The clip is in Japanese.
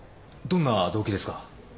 どんな動機ですか？